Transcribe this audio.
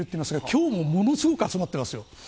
今日もものすごく集まっています。